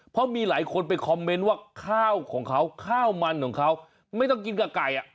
เพราะมีหลายคนไปคอมเมนต์ว่าข้าวของเขาข้าวมันของเขาไม่ต้องกินกับไก่